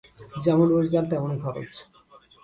যেমন রোজগার, তেমনই খরচ।